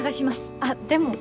あっでも。